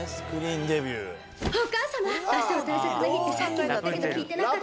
「お母さまあしたは大切な日ってさっきも言ったけど聞いてなかったでしょ？